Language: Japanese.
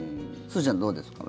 すずちゃん、どうですか？